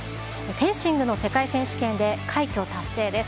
フェンシングの世界選手権で快挙達成です。